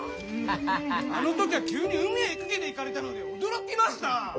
あの時は急に海へ駆けていかれたので驚きました。